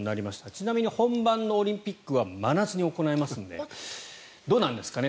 ちなみに本番のオリンピックは真夏に行いますのでどうなんですかね